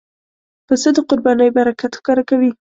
پسه د قربانۍ برکت ښکاره کوي.